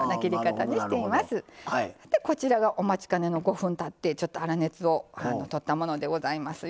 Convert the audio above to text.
こちらがお待ちかねの５分たって粗熱をとったものでございますよ。